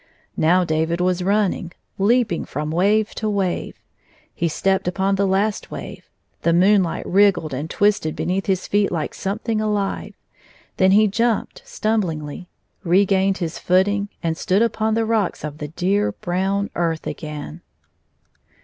Now David was running, leap ing from wave to wave. He stepped upon the last wave; the moonlight wriggled and twisted beneath his feet like something alive. Then he jumped stumblingly, regained his footing, and stood upon the rocks of the dear brown earth again.